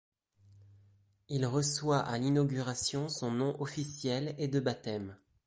Il reçoit à l'inauguration son nom officiel et de baptême.